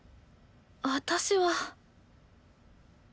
私は。